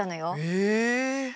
へえ！